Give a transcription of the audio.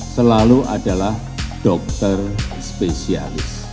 selalu adalah dokter spesialis